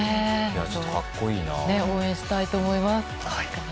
応援したいと思います。